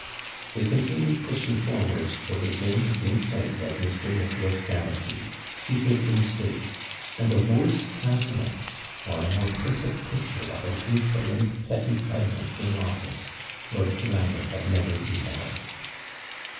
They continued pushing forward, till they came within sight of Mr. Nicholas Garraghty, seated in state; and a worse countenance, or a more perfect picture of an insolent, petty tyrant in office, Lord Colambre had never beheld.